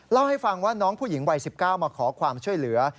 เล่าให้ฟังว่าน้องผู้หญิงวัย๑๙มาขอความช่วยเหลือ